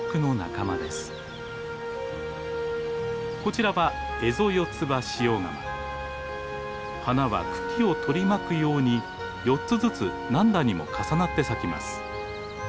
こちらは花は茎を取り巻くように４つずつ何段にも重なって咲きます。